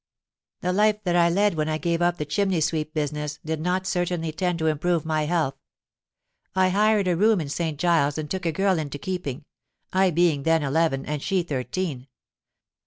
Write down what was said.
"The life that I led when I gave up the chimney sweep business, did not certainly tend to improve my health. I hired a room in St. Giles's, and took a girl into keeping—I being then eleven, and she thirteen.